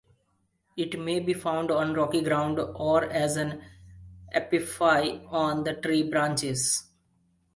It may be found on rocky ground or as an epiphyte on tree branches.